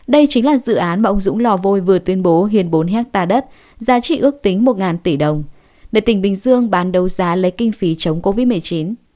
đây chính là dự án mà ông dũng lò vôi vừa tuyên bố hiền bốn hectare đất giá trị ước tính một tỷ đồng để tỉnh bình dương bán đấu giá lấy kinh phí chống covid một mươi chín